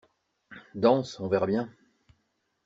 Danse, on verra bien.